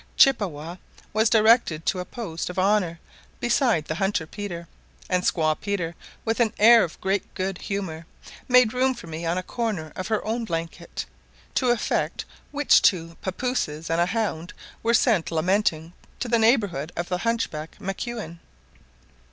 "Chippewa" was directed to a post of honour beside the hunter Peter; and squaw Peter, with an air of great good humour, made room for me on a corner of her own blanket; to effect which two papouses and a hound were sent lamenting to the neighbourhood of the hunchback Maquin.